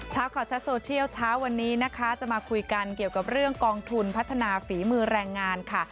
เช้าข่าวชัดโซเชียลเช้าวันนี้นะคะจะมาคุยกันเกี่ยวกับเรื่องกองทุนพัฒนาฝีมือแรงงานค่ะ